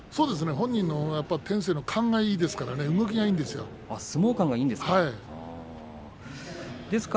本人の天性の勘がいいですから相撲勘がいいんですか。